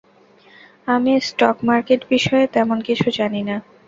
আমি stock market বিষয়ে তেমন কিছু জানি না।